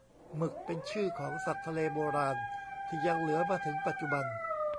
หมึก เป็นชื่อของสัตว์ทะเลโบราณ ที่ยังเหลือมาถึงปัจจุบัน